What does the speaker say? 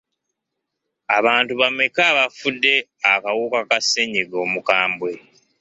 Abantu bameka abafudde akawuka ka ssennyiga omukambwe?